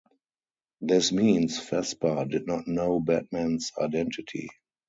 This means Vesper did not know Batman's identity.